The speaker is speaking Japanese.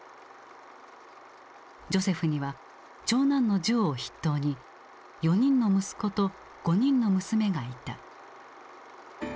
ジョセフには長男のジョーを筆頭に４人の息子と５人の娘がいた。